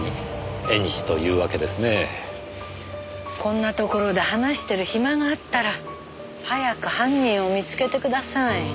こんなところで話してる暇があったら早く犯人を見つけてください。